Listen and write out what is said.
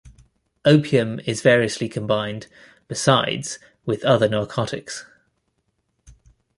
Opium is variously combined, besides, with other narcotics.